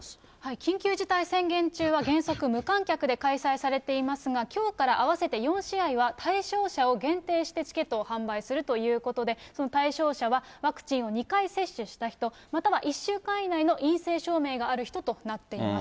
緊急事態宣言は原則無観客で開催されていますが、きょうから合わせて４試合は対象者を限定してチケットを販売するということで、対象者はワクチンを２回接種した人、または１週間以内の陰性証明がある人となっています。